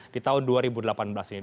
di tahun dua ribu delapan belas ini